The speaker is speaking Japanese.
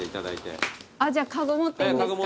あっじゃあかご持っていいんですか？